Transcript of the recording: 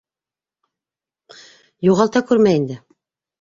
Юғалта күрмә инде.